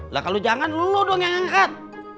lah kalau jangan lo doang yang angkat